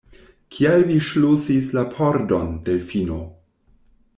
Kial vi ŝlosis la pordon, Delfino?